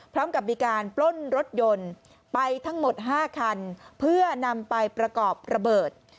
พร้อมกับมีการปล้นรถยนต์ไปทั้งหมด๕คันเพื่อนำไปประกอบระเบิด